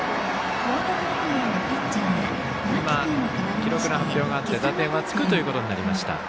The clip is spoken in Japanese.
記録の発表があって打点はつくということになりました。